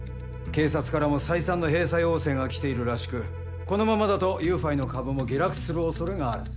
警察からも再三の閉鎖要請が来ているらしくこのままだとＹｏｕＦｉの株も下落する恐れがある。